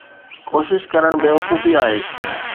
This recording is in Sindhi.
ڪوشش ڪرڻ بيوقوفي آهي.